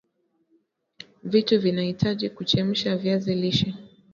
Vitu vinavyohitajika kuchemsha viazi lishe